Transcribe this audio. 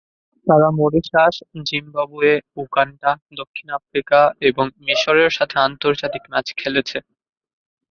তারা Mauritius, Zimbabwe, Uganda, দক্ষিণ Africa এবং মিশরের সাথে আন্তর্জাতিক ম্যাচ খেলেছে।